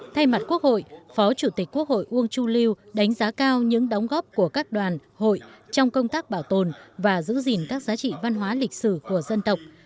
thay mặt quốc hội phó chủ tịch quốc hội uông chu lưu đánh giá cao những đóng góp của các đoàn hội trong công tác bảo tồn và giữ gìn các giá trị văn hóa lịch sử của dân tộc